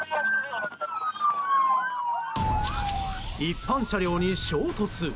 一般車両に衝突。